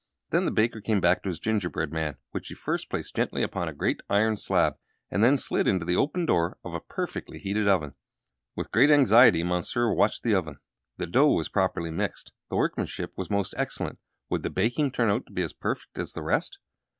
Then the baker came back to his gingerbread man, which he first placed gently upon a great iron slab, and then slid it all into the open door of a perfectly heated oven. With great anxiety Monsieur watched the oven. The dough was properly mixed, the workmanship was most excellent. Would the baking turn out to be as perfect as the rest?